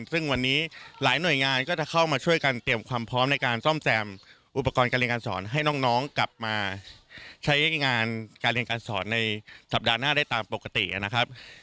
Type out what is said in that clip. ซึ่งวันนี้หลายหน่วยงานก็จะเข้ามาช่วยกันเตรียมความพร้อมในการซ่อมแซมอุปกรณ์การเรียนการสอนให้น้องกลับมาใช้งานการเรียนการสอนในสัปดาห์หน้าได้ตามปกตินะครับ